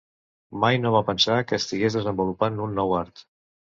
Mai no va pensar que estigués desenvolupant un nou art.